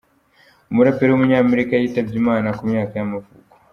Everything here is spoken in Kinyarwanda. umuraperi w’umunyamerika yitabye Imana ku myaka y’amavuko.